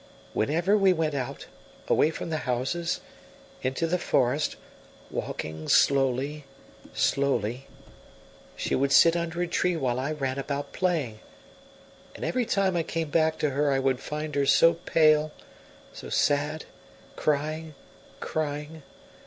Whenever we went out, away from the houses, into the forest, walking slowly, slowly, she would sit under a tree while I ran about playing. And every time I came back to her I would find her so pale, so sad, crying crying.